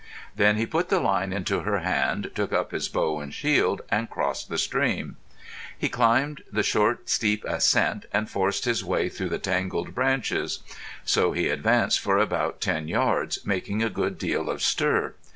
Then he put the line into her hand, took up his bow and shield, and crossed the stream. He climbed the short, steep ascent and forced his way through the tangled branches. So he advanced for about ten yards, making a good deal of stir.